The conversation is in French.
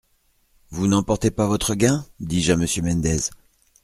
Vous n'emportez pas votre gain ? dis-je à Monsieur Mendez.